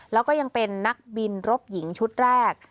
แล้วก็ยังเป็นนักบินรบหญิงชุดแรก